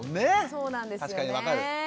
そうなんですよねえ。